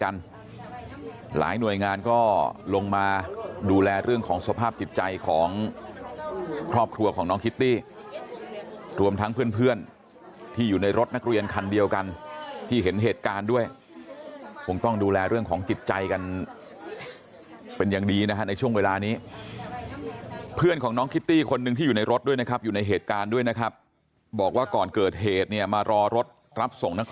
กันหลายหน่วยงานก็ลงมาดูแลเรื่องของสภาพจิตใจของครอบครัวของน้องคิตตี้รวมทั้งเพื่อนที่อยู่ในรถนักเรียนคันเดียวกันที่เห็นเหตุการณ์ด้วยคงต้องดูแลเรื่องของจิตใจกันเป็นอย่างดีนะฮะในช่วงเวลานี้เพื่อนของน้องคิตตี้คนหนึ่งที่อยู่ในรถด้วยนะครับอยู่ในเหตุการณ์ด้วยนะครับบอกว่าก่อนเกิดเหตุเนี่ยมารอรถรับส่งนัก